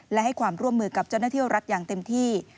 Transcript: และให้ความร่วมมือกับเจ้าหน้าที่รัฐอย่างเต็มที่